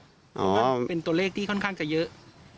นั่นเป็นตัวเลขที่ค่อนข้างจะเยอะ